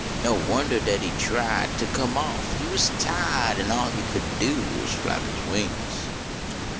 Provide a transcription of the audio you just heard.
No wondah dat he tried Ter come off ; he was tied N all what he could do was flap is wings.